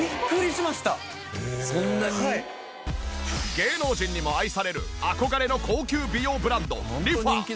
芸能人にも愛される憧れの高級美容ブランドリファ。